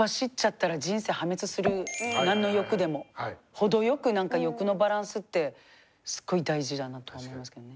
ほどよくなんか欲のバランスってすごい大事だなと思いましたけどね。